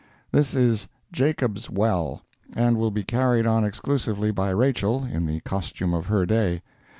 This is "Jacob's Well," and will be carried on exclusively by Rachel, in the costume of her day.